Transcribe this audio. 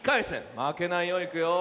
まけないよ。いくよ。